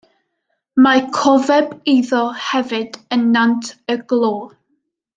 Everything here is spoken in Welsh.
Mae cofeb iddo hefyd yn Nant-y-glo.